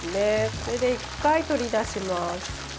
これで１回取り出します。